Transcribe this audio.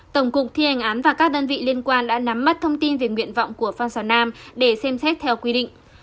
tổng cục thi hành án và các đơn vị liên quan đã nắm mắt thông tin về nguyện vọng của phan xào nam để xem xét theo quy định